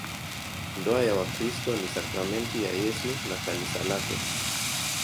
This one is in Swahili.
Ndoa ya Wakristo ni sakramenti ya Yesu na Kanisa lake.